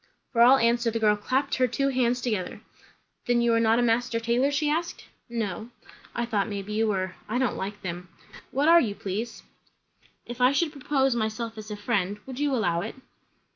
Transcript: For all answer the girl clapped her two hands together. "Then you are not a master tailor?" she asked. "No." "I thought maybe you were. I don't like them. What are you, please?" "If I should propose myself as a friend, would you allow it?"